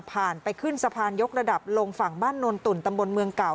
ไปขึ้นสะพานยกระดับลงฝั่งบ้านโนนตุ่นตำบลเมืองเก่า